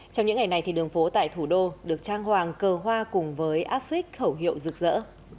trong những ngày này thì đường phố tại thủ đô được trang hoàng cờ hoa cùng với áp phích khẩu hiệu rực rỡ